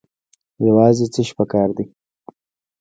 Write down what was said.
یوازې څه شی پکار دی؟